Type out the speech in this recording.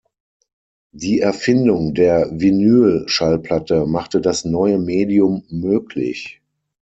Die Erfindung der Vinyl-Schallplatte machte das neue Medium möglich.